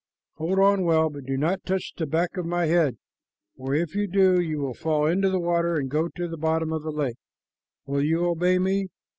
Hold on well, but do not touch the back of my head, for if you do, you will fall into the water and go to the bottom of the lake. Will you obey me?"